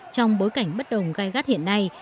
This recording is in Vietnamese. trong bối cảnh bất đồng gai gắt hiện nay